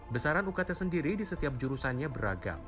besaran ukt sendiri di setiap jurusannya beragam